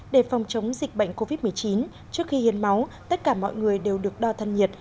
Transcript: để phòng chống dịch bệnh covid một mươi chín trước khi hiến máu tất cả mọi người đều được đo thân nhiệt